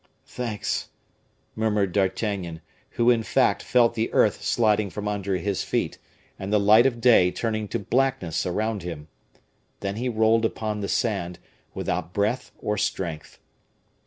"Thanks!" murmured D'Artagnan, who, in fact, felt the earth sliding from under his feet, and the light of day turning to blackness around him; then he rolled upon the sand, without breath or strength.